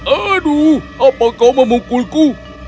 aduh apa kau memukulku